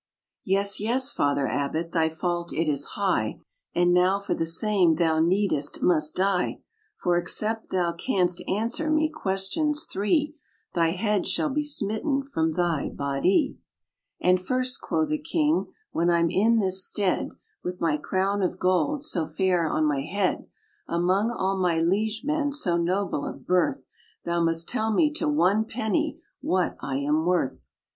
"Yes, yes, father abbot, thy fault it is high, And now for the same thou needest must die; For except thou canst answer me questions three, Thy head shall be smitten from thy bodie. RAINBOW GOLD "And first," quo' the king, "when I'm in this stead, With my crown of gold so fair on my head, Among all my liege men so noble of birth, Thou must tell me to one penny what I am worth.